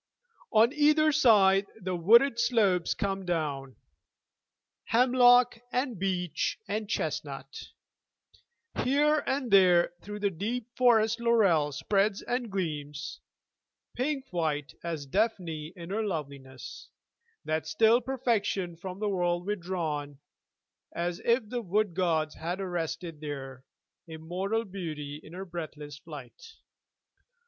On either side the wooded slopes come down, Hemlock and beech and chestnut; here and there Through the deep forest laurel spreads and gleams, Pink white as Daphne in her loveliness That still perfection from the world withdrawn, As if the wood gods had arrested there Immortal beauty in her breathless flight.